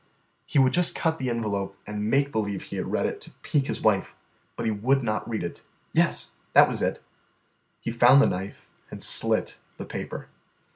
He would just cut the envelope and make believe he had read it to pique his wife; but he would not read it. Yes, that was it. He found the knife and slit the paper.